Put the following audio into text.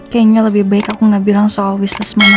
kayaknya lebih baik aku nggak bilang soal wish list mama dulu